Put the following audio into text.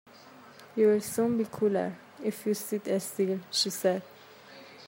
“You will soon be cooler, if you sit still,” she said.